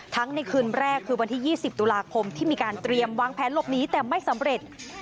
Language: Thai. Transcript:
ในคืนแรกคือวันที่๒๐ตุลาคมที่มีการเตรียมวางแผนหลบหนีแต่ไม่สำเร็จ